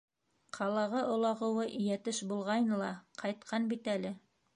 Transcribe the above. Ҡалаға олағыуы йәтеш булғайны ла, ҡайтҡан бит әле.